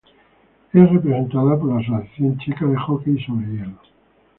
Es representada por la Asociación Checa de Hockey sobre Hielo.